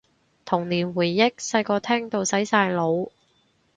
童年回憶，細個聽到洗晒腦